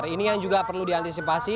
ini yang juga perlu diantisipasi